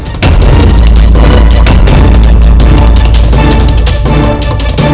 gusip rabu subang lara